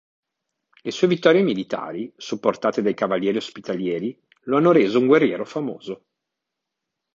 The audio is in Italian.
Le sue vittorie militari, supportate dai Cavalieri Ospitalieri, lo hanno reso un guerriero famoso.